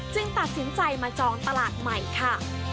ตัดสินใจมาจองตลาดใหม่ค่ะ